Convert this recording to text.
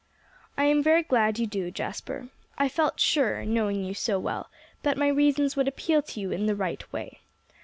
"I am very glad you do, Jasper. I felt sure, knowing you so well, that my reasons would appeal to you in the right way.